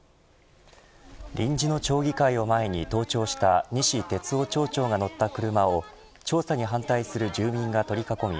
臨時の町議会を前に当庁した西哲夫町長が乗った車を調査に反対する住民が取り囲み